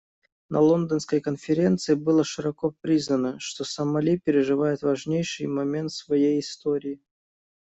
На Лондонской конференции было широко признано, что Сомали переживает важнейший момент в своей истории.